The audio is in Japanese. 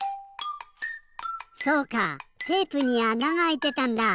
そうかテープにあながあいてたんだ！